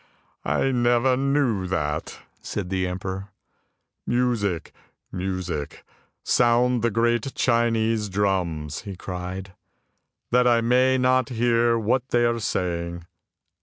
" I never knew that," said the emperor. " Music, music, sound the great Chinese drums! " he cried, " that I may not hear what they are saying."